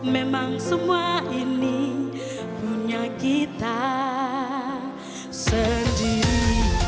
memang semua ini punya kita sendiri